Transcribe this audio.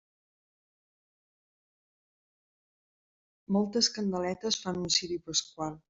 Moltes candeletes fan un ciri pasqual.